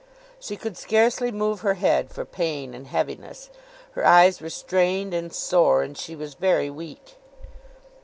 She could scarcely move her head for pain and heaviness, her eyes were strained and sore, and she was very weak.